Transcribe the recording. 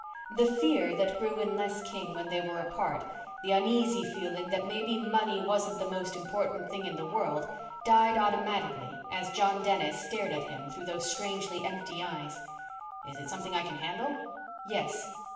The fear that grew in Les King when they were apart, the uneasy feeling that maybe money wasn't the most important thing in the world, died automatically as John Dennis stared at him through those strangely empty eyes. "Is it something I can handle?" "Yes."